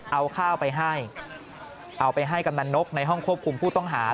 เอาข้าวไปให้เอาไปให้กำนันนกในห้องควบคุมผู้ต้องหา